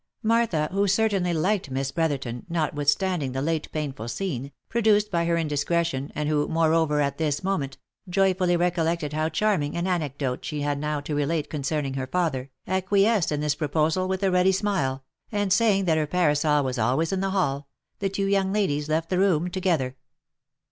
Martha, who certainly liked Miss Brotherton, notwithstanding the late painful scene, produced by her indiscretion, and who, moreover, at this moment, joyfully recollected how charming an anecdote she had now to relate concerning her father, acquiesced in this proposal with a ready smile, and saying that her parasol was always in the hall, the two young ladies left the room together.